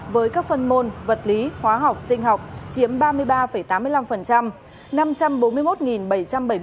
với các phần môn vật lý hóa học sinh học chiếm ba mươi ba tám mươi năm